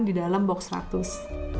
di dalam box ratus